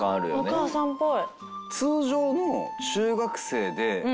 お母さんっぽい。